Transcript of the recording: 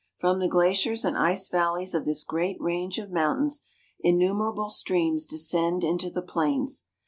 From the glaciers and ice valleys of this great range of mountains, innumerable streams descend into the plains.